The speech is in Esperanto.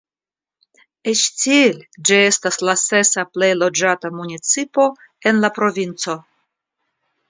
Eĉ tiel ĝi estas la sesa plej loĝata municipo en la provinco.